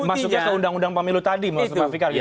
jadi masuknya ke undang undang pemilu tadi mas fikar